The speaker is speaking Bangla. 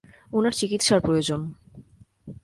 ওনার চিকিৎসার প্রয়োজন।